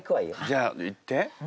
じゃあいって。